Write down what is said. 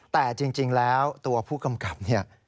แต่จริงแล้วตัวผู้กำกับเนี่ย